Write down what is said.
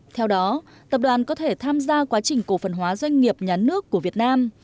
theo đó tập đoàn có thể tham gia quá trình cổ phần hóa doanh nghiệp nhà nước của việt nam